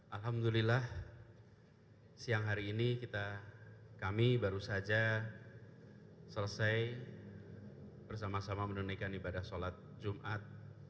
alhamdulillah siang hari ini kami baru saja selesai bersama sama menunaikan ibadah sholat jumat